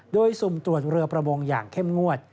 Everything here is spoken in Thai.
โดยสุ่มตรวจเรือประมงอย่างเข้มงวด